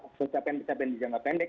kecapian kecapian jangka pendek